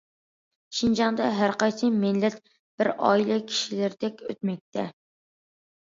شىنجاڭدا، ھەر قايسى مىللەتلەر بىر ئائىلە كىشىلىرىدەك ئۆتمەكتە.